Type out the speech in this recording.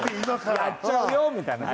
やっちゃうよみたいな。